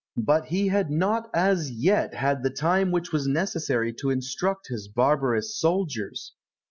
But he had not as yet had the time which was necessary to instruct his barbarous soldiers.